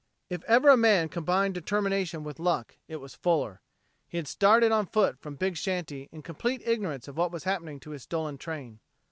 If ever a man combined determination with luck it was Fuller. He had started on foot from Big Shanty in complete ignorance of what was happening to his stolen train.